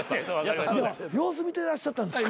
様子見てらっしゃったんですか？